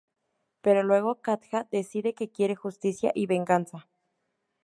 Pero luego Katja decide que quiere justicia y venganza.